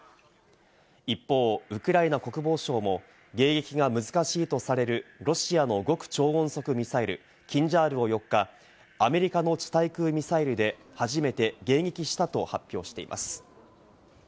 一方、ウクライナ国防省も迎撃が難しいとされるロシアの極超音速ミサイル「キンジャール」を４日、アメリカの地対空ミサイルで初めて迎撃したと発表しています。